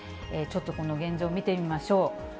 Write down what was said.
ちょっとこの現状を見てみましょう。